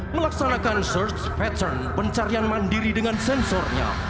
melaksanakan search pattern pencarian mandiri dengan sensornya